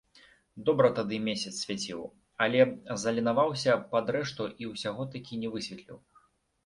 Добра тады месяц свяціў, але заленаваўся пад рэшту і ўсяго такі не высветліў.